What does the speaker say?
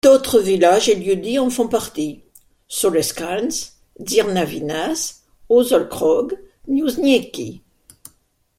D'autres villages et lieux-dits en font partie: Sauleskalns, Dzirnaviņas, Ozolkrogs, Muižnieki.